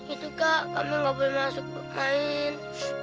itu kak kamu nggak boleh masuk kain